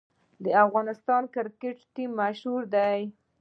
د افغانستان کرکټ ټیم مشهور دی